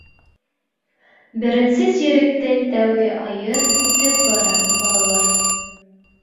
— Беренсе сиректең тәүге айы үтеп бара, балалар.